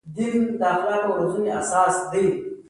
هغه ویډیويي تصویرونه له غږ سره یو ځای وکتل